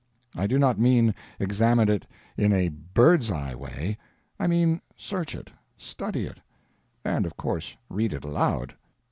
I do not mean examine it in a bird's eye way; I mean search it, study it. And, of course, read it aloud.